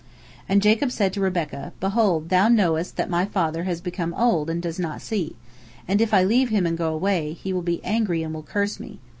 And Jacob said to Rebekah: "Behold, thou knowest that my father has become old and does not see, and if I leave him and go away, he will be angry and will curse me.